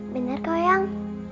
bener kok eyang